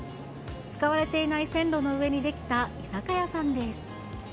使われていない線路の上に出来た居酒屋さんです。